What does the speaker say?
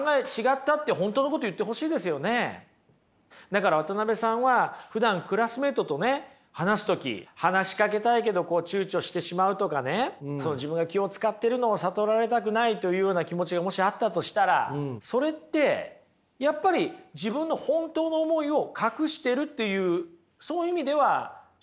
だから渡辺さんはふだんクラスメイトとね話す時話しかけたいけどちゅうちょしてしまうとかね自分が気を遣ってるのを悟られたくないというような気持ちがもしあったとしたらそれってやっぱり自分の本当の思いを隠してるっていうその意味では正直とは言えませんよね。